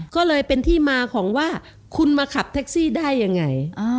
ก็เลยเป็นที่มาของว่าคุณมาขับแท็กซี่ได้ยังไง